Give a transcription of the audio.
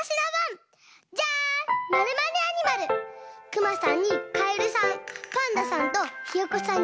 クマさんにカエルさん